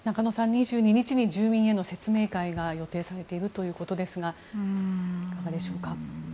２２日に住民への説明会が予定されているということですがいかがでしょうか。